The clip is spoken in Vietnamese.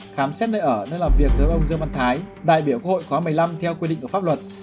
khám xét nơi ở nơi làm việc với ông dương văn thái đại biểu quốc hội khóa một mươi năm theo quy định của pháp luật